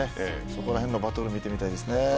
そこらへんのバトル見てみたいですね。